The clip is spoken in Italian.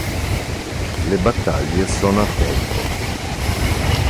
Le battaglie sono a tempo.